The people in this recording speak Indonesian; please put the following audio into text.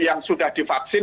yang sudah divaksin